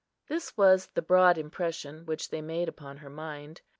This was the broad impression which they made upon her mind.